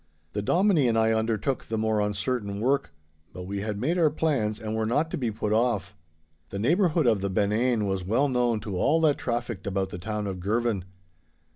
The Dominie and I undertook the more uncertain work, but we had made our plans and were not to be put off. The neighbourhood of the Benane was well known to all that trafficked about the town of Girvan.